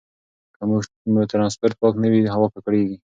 که مو ټرانسپورټ پاک نه وي، هوا ککړېږي.